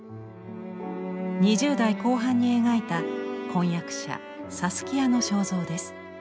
２０代後半に描いた婚約者サスキアの肖像です。